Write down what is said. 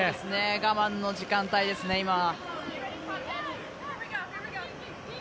我慢の時間帯ですね今は。